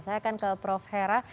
saya akan ke prof hera